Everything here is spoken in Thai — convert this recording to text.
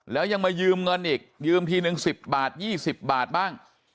แล้วยังมายืมเงินอีกยืมทีนึง๑๐บาท๒๐บาทบ้าง